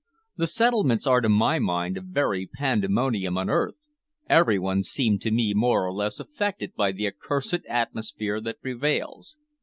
The settlements are to my mind a very pandemonium on earth. Every one seemed to me more or less affected by the accursed atmosphere that prevails.